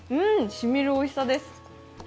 しみるおいしさです。